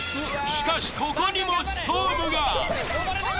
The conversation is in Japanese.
しかしここにもストームが。